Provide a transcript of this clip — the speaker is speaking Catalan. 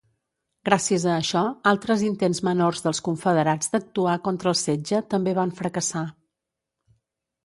Gràcies a això altres intents menors dels Confederats d'actuar contra el setge també van fracassar.